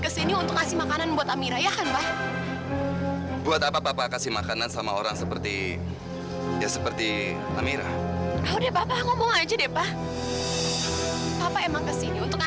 sampai jumpa di video selanjutnya